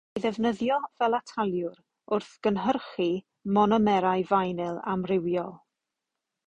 Caiff ei ddefnyddio fel ataliwr wrth gynhyrchu monomerau finyl amrywiol.